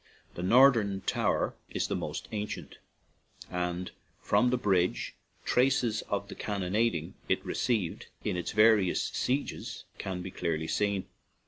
The northern tower is the most ancient, and from the bridge traces of the cannonading it received in its various sieges can be clearly seen.